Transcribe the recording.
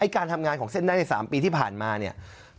การทำงานของเส้นได้ใน๓ปีที่ผ่านมาเนี่ย